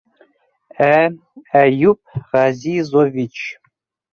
Ә Әйүп Ғәзизович...